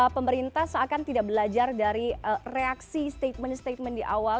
pemerintah seakan tidak belajar dari reaksi statement statement di awal